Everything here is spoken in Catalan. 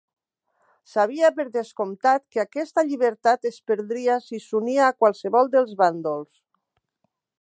Sabia, per descomptat, que aquesta llibertat es perdria si s'unia a qualsevol dels bàndols.